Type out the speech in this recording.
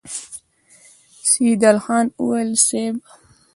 سيدال خان وويل: صېب!